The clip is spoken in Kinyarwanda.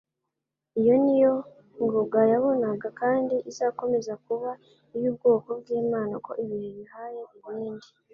Iyo ni yo nkuruga yabonaga kandi izakomeza kuba iy'ubwoko bw'Imana uko ibihe bihaye ibindi.